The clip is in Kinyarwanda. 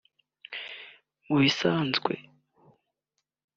Mu bisanzwe